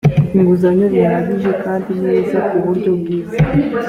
inguzanyo bihagije kandi neza ku buryo bwiza